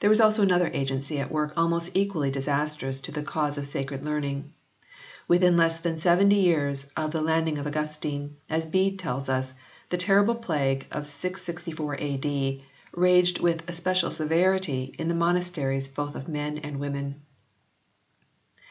There was also another agency at work almost equally disastrous to the cause of sacred learning. Within less than seventy years of the landing of Augustine, as Bede tells us, the terrible plague of 664 A.D. raged with especial severity in the monasteries both of men and women.